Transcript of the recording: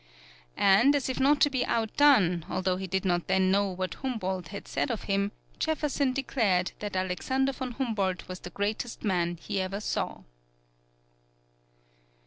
And as if not to be outdone, although he did not then know what Humboldt had said of him, Jefferson declared that Alexander von Humboldt was the greatest man he ever saw.